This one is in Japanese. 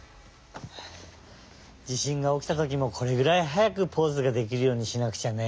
地しんがおきたときもこれぐらいはやくポーズができるようにしなくちゃね。